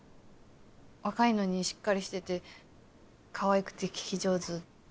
若いのにしっかりしててかわいくて聞き上手。